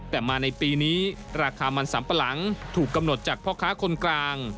แต่มาในปีนี้ราคามันสัมปะหลังถูกกำหนดจากพ่อค้าคนกลาง